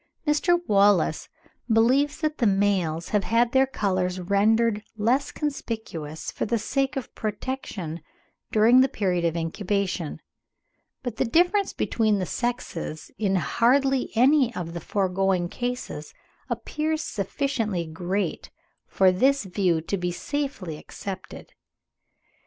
Mr. Wallace believes that the males have had their colours rendered less conspicuous for the sake of protection during the period of incubation; but the difference between the sexes in hardly any of the foregoing cases appears sufficiently great for this view to be safely accepted.